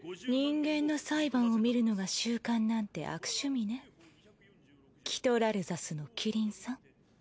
人間の裁判を見るのが習慣なんて悪趣味ねキトラルザスのキリンさん。